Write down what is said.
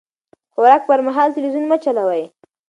د خوراک پر مهال تلويزيون مه چلوئ.